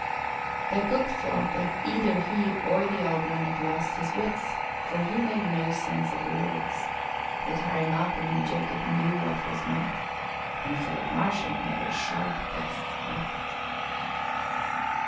The cook thought that either he or the Old One had lost his wits, for he made no sense of the words; but Harry Malcolm and Jacob knew what was meant, and Philip Marsham made a sharp guess at it.